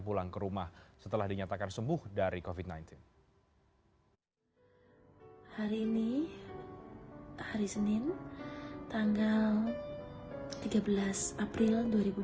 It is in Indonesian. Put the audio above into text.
pulang ke rumah setelah dinyatakan sembuh dari covid sembilan belas hari ini hari senin tanggal tiga belas april